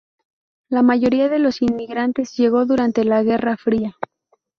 La mayoría de los inmigrantes llegó durante la Guerra Fría.